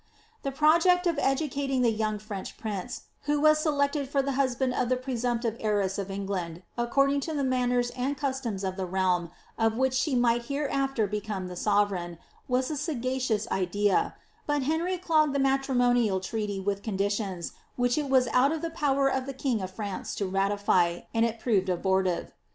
The project of educating the young French prince, who was selected for the husband of the presumptive heiress of England, according to the manners and customs of the realm of which she might hereafter become the sovereign, was a sagacious idea, but Henry clogged the matrimonial treaty with conditions which it was out of the power of the king of France to ratify, and it proved abortive.